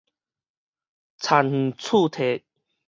田園厝宅